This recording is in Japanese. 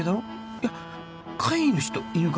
いや飼い主と犬か